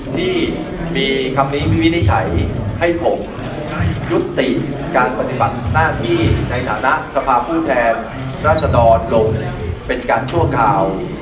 ที่มีคำนี้วินิจฉัยให้ผมยุติการปฏิบัติหน้าที่ในฐานะสภาพผู้แทนรัศดรลงเป็นการชั่วคราว